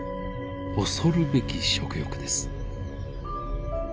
恐るべき食欲です。